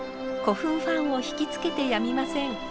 古墳ファンを惹きつけてやみません。